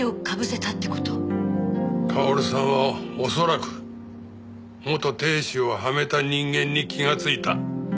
薫さんは恐らく元亭主をはめた人間に気がついた。